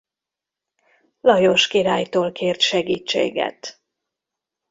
Lajos királytól kért segítséget.